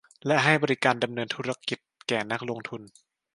และให้บริการการดำเนินธุรกิจแก่นักลงทุน